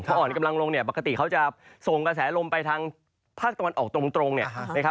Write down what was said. พออ่อนกำลังลงเนี่ยปกติเขาจะส่งกระแสลมไปทางภาคตะวันออกตรงเนี่ยนะครับ